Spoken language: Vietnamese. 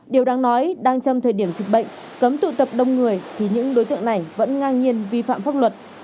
điều đáng nói đang trong thời điểm dịch bệnh cấm tụ tập đông người thì những đối tượng này vẫn ngang nhiên vi phạm pháp luật